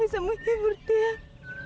hanya selendang itu yang bisa menghibur tiang